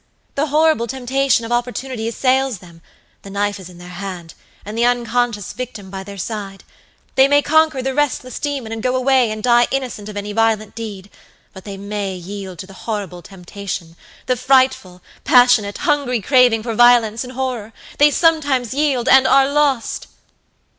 The horrible temptation of opportunity assails them; the knife is in their hand, and the unconscious victim by their side. They may conquer the restless demon and go away and die innocent of any violent deed; but they may yield to the horrible temptationthe frightful, passionate, hungry craving for violence and horror. They sometimes yield and are lost."